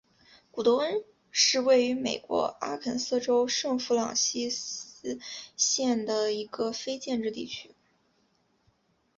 古得温是位于美国阿肯色州圣弗朗西斯县的一个非建制地区。